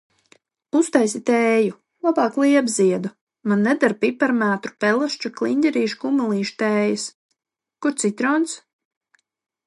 Uztaisi tēju, labāk liepziedu. Man neder piparmētru, pelašķu, kliņģerīšu, kumelīšu tējas. Kur citrons?